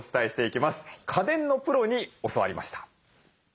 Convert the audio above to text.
家電のプロに教わりました。